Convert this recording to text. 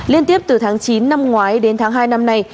liên tiếp từ tháng chín năm ngoái đến tháng hai năm nay